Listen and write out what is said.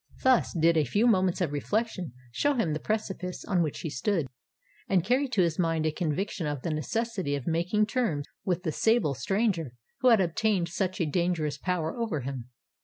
Thus did a few moments of reflection show him the precipice on which he stood, and carry to his mind a conviction of the necessity of making terms with the sable stranger who had obtained such a dangerous power over him.